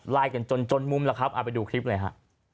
ไล่กันจนจนมุมแล้วครับเอาไปดูคลิปเลยฮะ